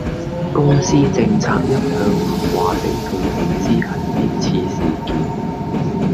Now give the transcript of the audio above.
公司政策一向唔話俾佢地知係邊次事件